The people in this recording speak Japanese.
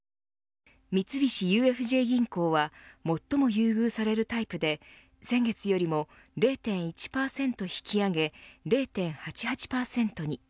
三菱ＵＦＪ銀行は最も優遇されるタイプで先月よりも０．１％引き上げ０．８８％に。